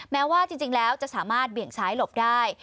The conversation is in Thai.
แม้ว่าจริงแล้วจะสามารถเบี่ยงซ้ายหลบได้